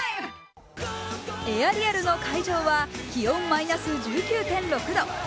エアリアルの会場は気温マイナス１９．６度。